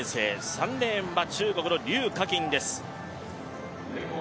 ３レーンは中国の柳雅欣です。